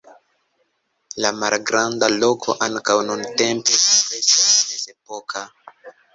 La malgranda loko ankaŭ nuntempe impresas mezepoka.